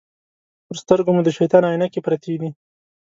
پر سترګو مو د شیطان عینکې پرتې دي.